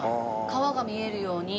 川が見えるように。